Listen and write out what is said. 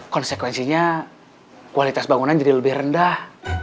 konsekuensinya kualitas bangunan jadi lebih rendah